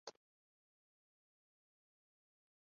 احتیاطی تدابیراختیار کی جائیں